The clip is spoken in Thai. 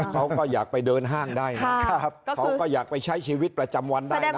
เขาก็อยากไปเดินห้างได้นะครับเขาก็อยากไปใช้ชีวิตประจำวันได้นะ